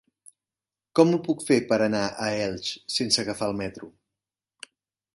Com ho puc fer per anar a Elx sense agafar el metro?